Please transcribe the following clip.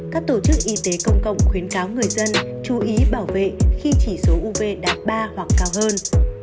các tổ chức y tế công cộng khuyến cáo người dân chú ý bảo vệ khi chỉ số uv đạt ba hoặc cao hơn